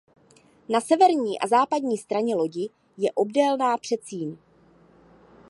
Na severní a západní straně lodi je obdélná předsíň.